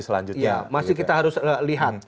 selanjutnya masih kita harus lihat